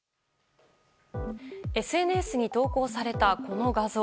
ＳＮＳに投稿されたこの画像。